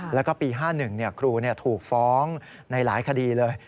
แล้วก็ปี๕๑ครูถูกฟ้องในหลายคดีเลย